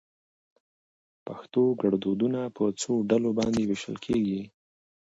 پښتو ګړدودونه په څو ډلو باندي ويشل کېږي؟